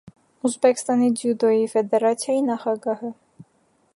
Ուզբեկստանի ձյուդոյի ֆեդերացիայի նախագահը։